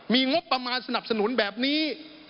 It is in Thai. มีงบประมาณสนับสนุนแบบนี้